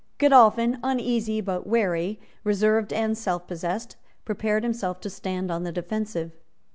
Godolphin, uneasy, but wary, reserved and selfpossessed, prepared himself to stand on the defensive.